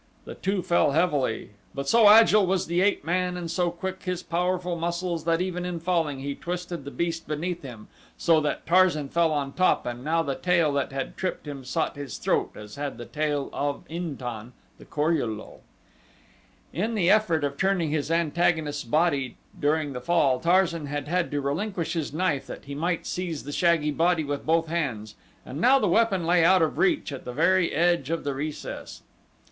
The two fell heavily, but so agile was the ape man and so quick his powerful muscles that even in falling he twisted the beast beneath him, so that Tarzan fell on top and now the tail that had tripped him sought his throat as had the tail of In tan, the Kor ul lul. In the effort of turning his antagonist's body during the fall Tarzan had had to relinquish his knife that he might seize the shaggy body with both hands and now the weapon lay out of reach at the very edge of the recess.